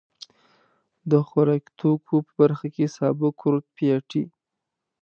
د خوراکتوکو په برخه کې سابه، کورت، پياټي.